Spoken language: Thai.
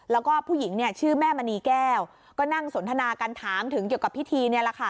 แล้วก็ผู้หญิงเนี่ยชื่อแม่มณีแก้วก็นั่งสนทนากันถามถึงเกี่ยวกับพิธีนี่แหละค่ะ